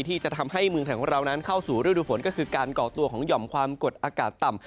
ที่จะทำให้เมืองไทยของเรานั้นเข้าสู่ฤดูฝนก็คือการก่อตัวของหย่อมความกดอากาศต่ำ